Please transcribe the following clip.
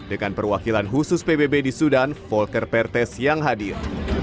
dengan perwakilan khusus pbb di sudan volker pertes yang hadir